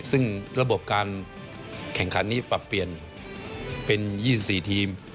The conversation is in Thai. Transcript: ซึ่งระบบการแข่งขันนี้ปรับเปลี่ยนเป็น๒๔ทีม